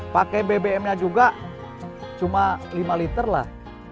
pakai bbm nya juga cuma lima liter lah